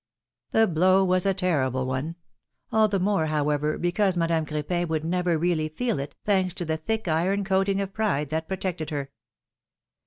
The blow was a terrible one ; all the more, however, because Madame Cr6pin would never really feel it, thanks to the thick iron coating of pride that protected her.